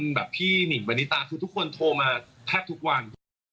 นี่คือพี่หนิ่มเบินนิตาทุกคนโทรมาแทสทุกวัน